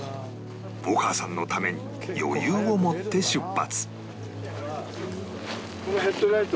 お母さんのために余裕を持って出発